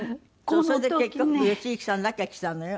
それで結局吉行さんだけが来たのよ。